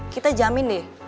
kita jamin deh